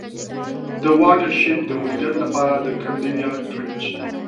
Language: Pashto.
د واټر شید د مدیریت له پاره د کندي Trench.